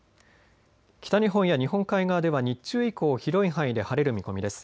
北日本や日本海側では日中以降広い範囲で晴れる見込みです。